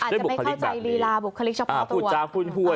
ด้วยบุคลิกอาจจะไม่เข้าใจฤลาบุคลิกเฉพาะตัว